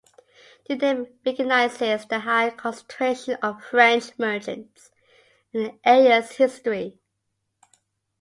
The name recognizes the high concentration of French merchants in the area's history.